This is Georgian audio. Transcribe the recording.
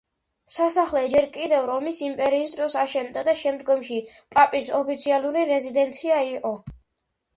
სასახლე ჯერ კიდევ რომის იმპერიის დროს აშენდა და შემდგომში პაპის ოფიციალური რეზიდენცია იყო.